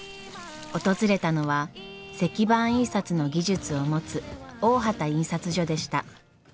訪れたのは石版印刷の技術を持つ大畑印刷所でした。